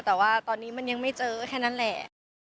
แต่ว่าตอนนี้มันยังไม่เจอแค่นั้นแหละ